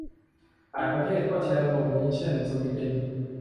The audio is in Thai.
หลายประเทศก็ใช้ระบบนี้ เช่น สวีเดน